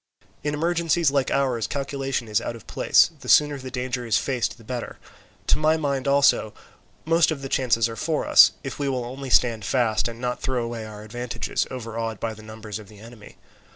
In emergencies like ours calculation is out of place; the sooner the danger is faced the better. To my mind also most of the chances are for us, if we will only stand fast and not throw away our advantages, overawed by the numbers of the enemy.